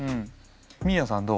みーやさんどう？